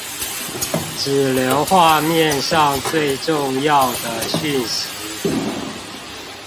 只留畫面上最重要的訊息